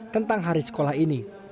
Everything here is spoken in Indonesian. tentang hari sekolah ini